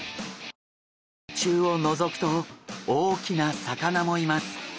水中をのぞくと大きな魚もいます。